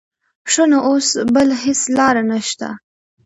ښه نو اوس بله هېڅ لاره نه شته.